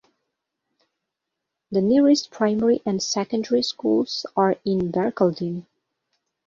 The nearest primary and secondary schools are in Barcaldine.